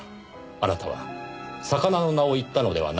あなたは魚の名を言ったのではなかった。